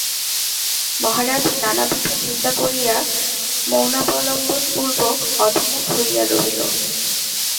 মহারাজ নানাবিধ চিন্তা করিয়া মৌনাবলম্বনপূর্বক অধোমুখ হইয়া রহিল।